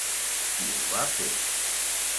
I ho va fer.